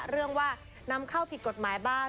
เรื่องว่านำเข้าผิดกฎหมายบ้าง